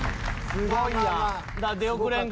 すごいやん。